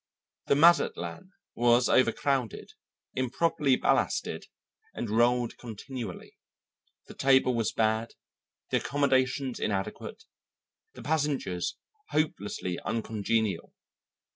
The Mazatlan was overcrowded, improperly ballasted, and rolled continually. The table was bad, the accommodations inadequate, the passengers hopelessly uncongenial.